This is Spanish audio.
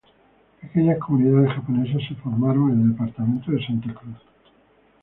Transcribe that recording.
Pequeñas comunidades japonesas se formaron en el departamento de Santa Cruz.